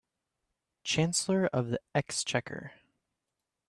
Chancellor of the Exchequer